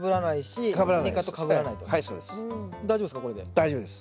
大丈夫です。